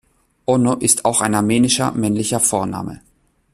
Onno ist auch ein armenischer männlicher Vorname.